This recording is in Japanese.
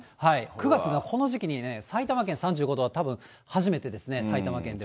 ９月この時期に、埼玉県３５度は、たぶん、初めてですね、埼玉県では。